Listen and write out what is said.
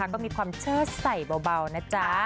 ก็มีความเชิดใส่เบานะจ๊ะ